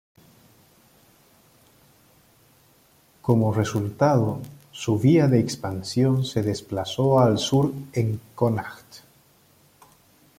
Como resultado, su vía de expansión se desplazó al sur en Connacht.